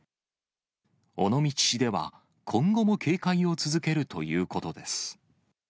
尾道市では、今後も警戒を続けるということです。